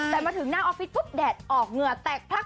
แต่มาถึงหน้าออฟฟิศปุ๊บแดดออกเหงื่อแตกพลัก